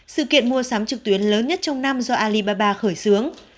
sự kiện mua sắm trực tuyến lớn nhất trong năm do alibaba khởi xướng